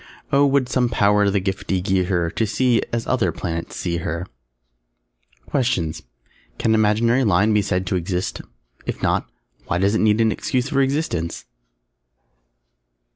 Oh would some Power the giftie gie her To see, as other Planets see her! QUESTIONS Can an imaginary line be said to exist? _If not, why does it need an excuse for existence?